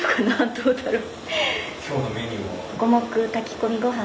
どうだろう。